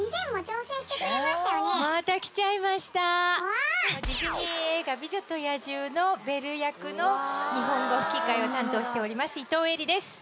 それがディズニー映画「美女と野獣」のベル役の日本語吹き替えを担当しております伊東えりです